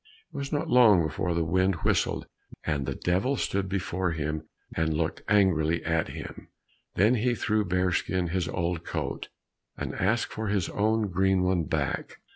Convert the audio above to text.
It was not long before the wind whistled, and the Devil stood before him and looked angrily at him; then he threw Bearskin his old coat, and asked for his own green one back.